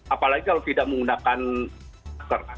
apalagi kalau tidak menggunakan masker